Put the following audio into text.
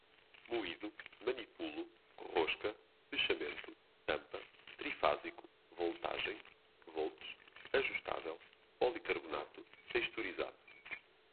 moído, manipulo, rosca, fechamento, tampa, trifásico, voltagem, volts, ajustável, policarbonato, texturizado